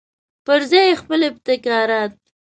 پرځای یې خپل ابتکارات.